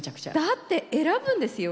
だって選ぶんですよ